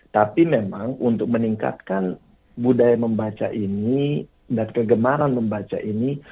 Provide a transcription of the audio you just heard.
tapi memang untuk meningkatkan budaya membaca ini dan kegemaran membaca ini